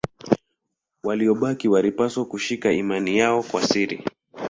Waliobaki walipaswa kushika imani yao kwa siri.